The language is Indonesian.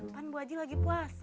kan bu haji lagi puasa